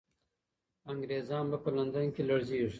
انګریزان به په لندن کې لړزېږي.